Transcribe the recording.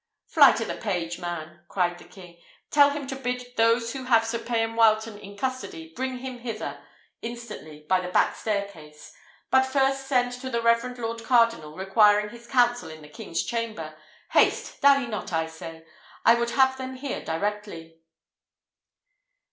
"Fly to the page, man!" cried the king; "tell him to bid those who have Sir Payan Wileton in custody bring him hither instantly by the back staircase; but first send to the reverend lord cardinal, requiring his counsel in the king's chamber. Haste! dally not, I say; I would have them here directly."